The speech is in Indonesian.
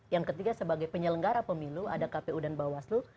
yang ketiga sebagai penyelenggara pemilu ada kpu dan bawaslu